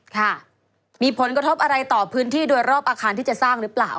ค่ะมีผลกระทบอะไรต่อพื้นที่โดยรอบอาคารที่จะสร้างหรือเปล่า